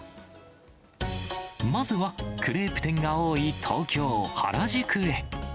まずは、クレープ店が多い東京・原宿へ。